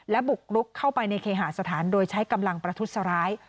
และบุกรุกเข้าไปในเคหาสถานโดยใช้กำลังประทุษร้าย